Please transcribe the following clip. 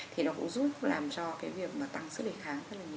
thì nó cũng giúp làm cho cái việc tăng sức đề kháng rất là nhiều